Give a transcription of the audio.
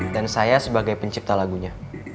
dan saya sebagai pencipta lagunya